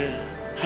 hanya sedikit paham